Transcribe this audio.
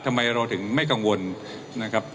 ทำไมเราถึงไม่กังวลนะครับ